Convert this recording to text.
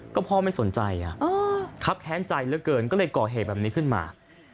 ก็พ่อไม่สนใจครับแค้นใจเหลือเกินก็เลยก่อเหตุแบบนี้ขึ้นมา